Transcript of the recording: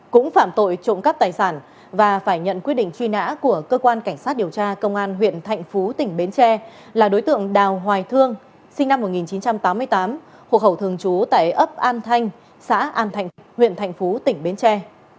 cũng phạm tội trộm cắp tài sản và phải nhận quyết định truy nã của cơ quan cảnh sát điều tra công an huyện thạnh phú tỉnh bến tre là đối tượng đào hoài thương sinh năm một nghìn chín trăm tám mươi tám hộ khẩu thường trú tại ấp an thanh xã an thạnh huyện thạnh phú tỉnh bến tre